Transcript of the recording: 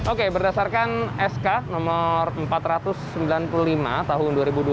oke berdasarkan sk nomor empat ratus sembilan puluh lima tahun dua ribu dua puluh